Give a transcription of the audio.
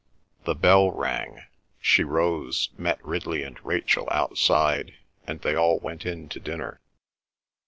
The bell rang; she rose, met Ridley and Rachel outside, and they all went in to dinner.